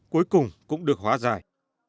cuối cùng cũng được hóa giải